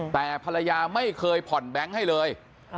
แต่ภรรยาไม่เคยผ่อนแบงค์ให้เลย